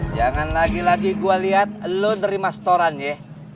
jangan lagi lagi gue liat lo dari mas toran ya